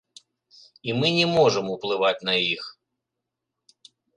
І мы не можам уплываць на іх.